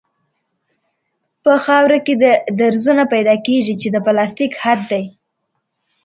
په خاوره کې درزونه پیدا کیږي چې د پلاستیک حد دی